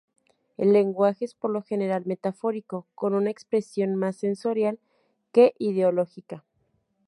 El lenguaje es por lo general metafórico, con una expresión más sensorial que ideológica.